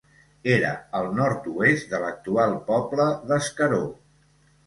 Era al nord-oest de l'actual poble d'Escaró.